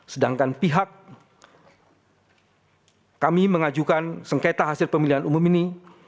sedangkan pihak kami mengajukan sengketa hasil pemilihan umum ini